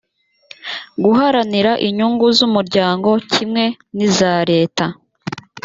guharanira inyungu z umuryango kimwe niza leta